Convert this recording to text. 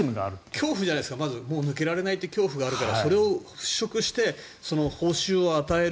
恐怖じゃないですかもう抜けられないっていう恐怖があるからそれを払しょくして報酬を与える。